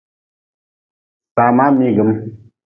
Samaa miigm.